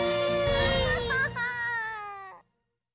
ハハハハ。